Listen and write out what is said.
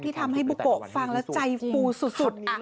ทำให้บุโกะฟังแล้วใจฟูสุด